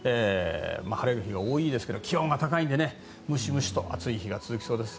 晴れる日が多いですが気温が高いのでムシムシとする日が続きそうです。